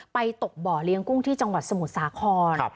ตกบ่อเลี้ยงกุ้งที่จังหวัดสมุทรสาคร